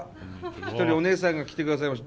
一人おねえさんが来てくださいました。